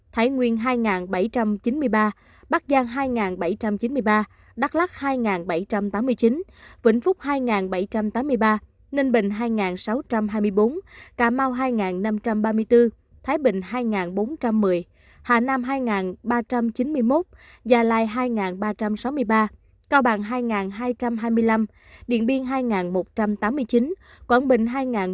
thái nguyên hai bảy trăm chín mươi ba bắc giang hai bảy trăm chín mươi ba đắk lắc hai bảy trăm tám mươi chín vĩnh phúc hai bảy trăm tám mươi ba ninh bình hai sáu trăm hai mươi bốn cà mau hai năm trăm ba mươi bốn thái bình hai bốn trăm một mươi hà nam hai ba trăm chín mươi một già lai hai ba trăm sáu mươi ba cao bằng hai hai trăm hai mươi năm điện biên hai một trăm tám mươi chín quảng bình hai một trăm sáu mươi một